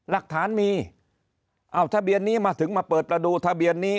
หลักฐานมีเอาทะเบียนนี้มาถึงมาเปิดประตูทะเบียนนี้